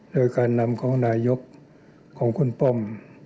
โดยการนำของนายกของคุณป้อม